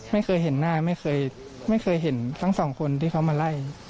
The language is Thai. ไม่เคยเห็นหน้าไม่เคยไม่เคยเห็นทั้งสองคนที่เขามาไล่